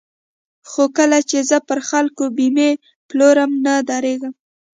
خو کله چې زه پر خلکو بېمې پلورم نه درېږم.